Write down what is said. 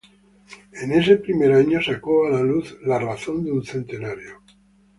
En ese primer año sacó a la luz "La Razón de un Centenario.